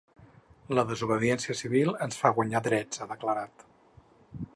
La desobediència civil ens fa guanyar drets, ha declarat.